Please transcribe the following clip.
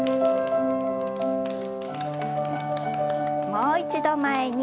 もう一度前に。